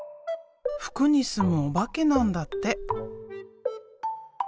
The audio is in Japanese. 服に住むおばけなんだって。